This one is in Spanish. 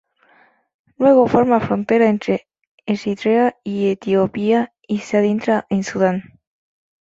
Luego forma frontera entre Eritrea y Etiopía y se adentra en Sudán.